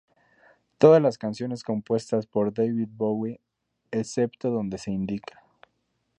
Todas las canciones compuestas por David Bowie, excepto donde se indica.